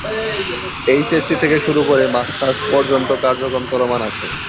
HSC থেকে শুরু করে মাস্টার্স পর্যন্ত কার্যক্রম চলমান আছে।